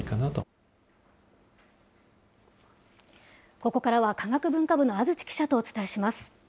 ここからは、科学文化部の安土記者とお伝えします。